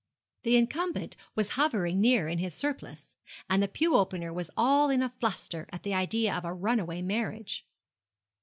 The incumbent was hovering near in his surplice, and the pew opener was all in a fluster at the idea of a runaway marriage.